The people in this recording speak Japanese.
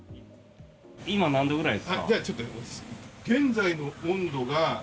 今何度ぐらいですか？